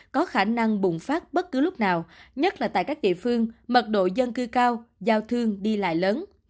có khả năng bùng phát bất cứ lúc nào nhất là tại các địa phương mật độ dân cư cao giao thương đi lại lớn